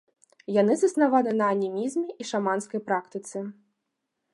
Яны заснаваны на анімізме і шаманскай практыцы.